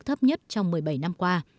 thấp nhất trong một mươi bảy năm qua